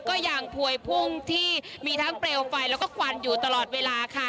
ก็ยังพวยพุ่งที่มีทั้งเปลวไฟแล้วก็ควันอยู่ตลอดเวลาค่ะ